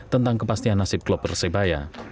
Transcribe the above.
tentang kepastian nasib klub persebaya